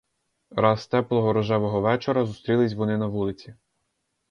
Раз теплого рожевого вечора зустрілись вони на вулиці.